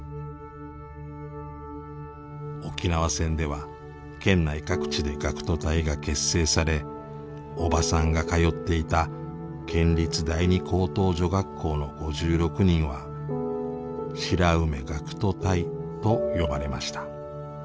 沖縄戦では県内各地で学徒隊が結成されおばさんが通っていた県立第二高等女学校の５６人は白梅学徒隊と呼ばれました。